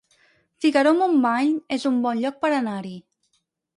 Figaró-Montmany es un bon lloc per anar-hi